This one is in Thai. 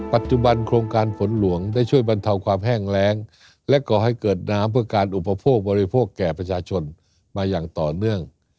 ปัจจุบันโครงการฝนหลวงได้ช่วยบรรเทาความแห้งแรงและก่อให้เกิดน้ำเพื่อการอุปโภคบริโภคแก่ประชาชนมาอย่างต่อเนื่อง